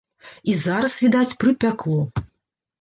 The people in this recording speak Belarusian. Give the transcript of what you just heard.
І зараз, відаць, прыпякло.